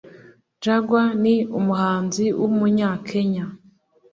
Jaguar ni umuhanzi w’Umunya Kenya